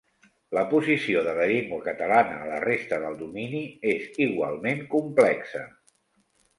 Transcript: La posició de la llengua catalana a la resta del domini és igualment complexa.